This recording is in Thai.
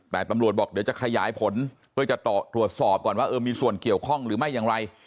แต่ตำรวจบอกเดี๋ยวจะขยายผลเพื่อจะตรวจสอบก่อนว่าเออมีส่วนเกี่ยวข้องหรือไม่อย่างไร